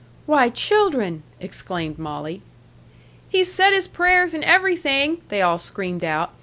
"Why, children!" exclaimed Molly. "He's said his prayers and everything," they all screamed out.